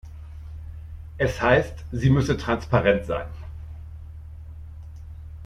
Es heißt, sie müsse transparent sein.